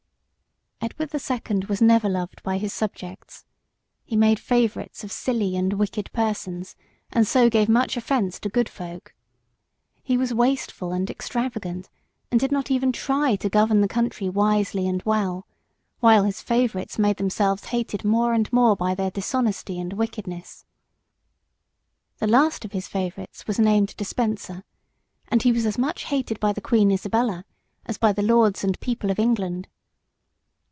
Edward II. was never loved by his subjects. He made favourites of silly and wicked persons, and so gave much offence to good folk. He was wasteful and extravagant, and did not even try to govern the country wisely and well, while his favourites made themselves hated more and more by their dishonesty and wickedness. The last of his favourites was named Despenser, and he was as much hated by the Queen Isabella as by the lords and people of England.